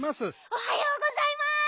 おはようございます！